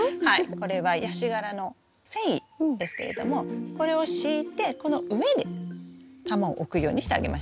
これはヤシ殻の繊維ですけれどもこれを敷いてこの上に玉を置くようにしてあげましょう。